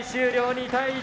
２対１。